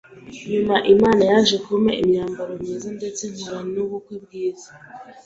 nyuma Imana yaje kumpa imyambaro myiza ndetse nkora n’ ubukwe bwiza.